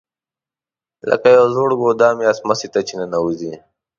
لکه یو زوړ ګودام یا څمڅې ته چې ننوځې.